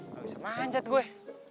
gak bisa manjat gue